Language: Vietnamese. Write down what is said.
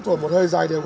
có vẫn chấp hành